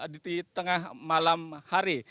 di tengah malam hari